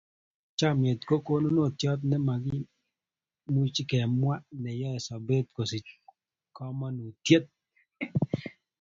Chomnyet ko konunotyot ne makimuch kemwa ne yoe sobeet kosich komonutiet.